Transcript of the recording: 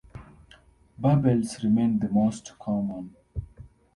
Barbells remain the most common.